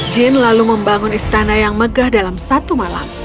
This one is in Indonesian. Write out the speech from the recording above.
jin lalu membangun istana yang megah dalam satu malam